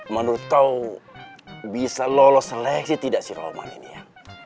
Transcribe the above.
menurut kau bisa lolos seleksi tidak sih roman ini ya